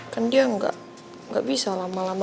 kan dia nggak bisa lama lama